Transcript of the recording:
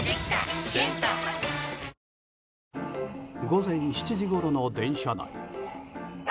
午前７時ごろの電車内。